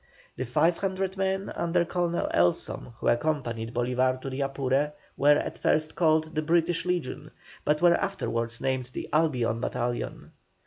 The 500 men under Colonel Elsom, who accompanied Bolívar to the Apure, were at first called the "British Legion," but were afterwards named the "Albion" battalion.